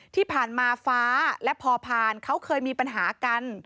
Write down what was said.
ที่ผ่านมาฟ้าและพอผ่านเขาเคยมีปัญหากัน